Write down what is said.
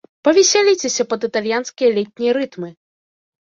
Павесяліцеся пад італьянскія летнія рытмы!